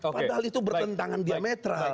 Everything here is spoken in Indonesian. padahal itu bertentangan diametral